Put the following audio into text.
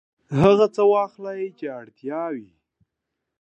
هغه څه واخلئ چې اړتیا وي.